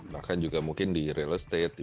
bahkan juga mungkin di real state